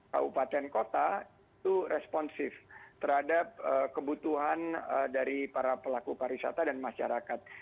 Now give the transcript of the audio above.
kabupaten kota itu responsif terhadap kebutuhan dari para pelaku pariwisata dan masyarakat